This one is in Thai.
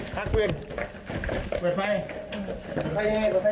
พักเปลี่ยนเปลี่ยนไฟ